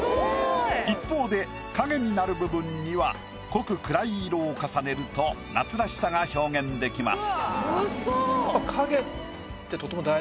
一方で影になる部分には濃く暗い色を重ねると夏らしさが表現できます。